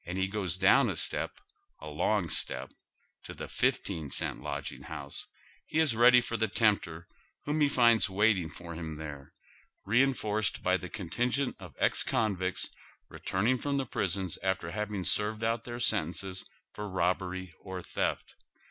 he goes down a step, a long step, to tlie fifteen cent lodg ing house, he is ready for the tempter whom he finds waiting for him there, reinforced hy tlie contingent of ex convicts returning from the prisons after having seiTed out their sentences for robbery or theft.